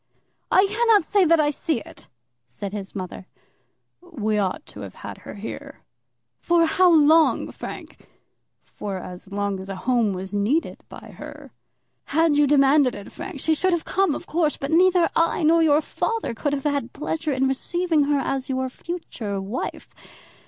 "I cannot say that I see it," said his mother. "We ought to have had her here." "For how long, Frank?" "For as long as a home was needed by her." "Had you demanded it, Frank, she should have come, of course. But neither I nor your father could have had pleasure in receiving her as your future wife.